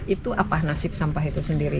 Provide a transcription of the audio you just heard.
itu apa nasib sampah itu sendiri